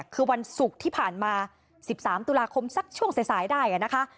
คือวันศุกร์ที่ผ่านมา๑๓ตุลาคมสักช่วงสายได้นะคะ